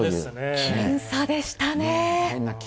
僅差でしたね。